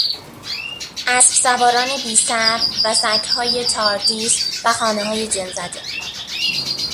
اسب سواران بیسر و سگهای تاردیس و خانههای جن زده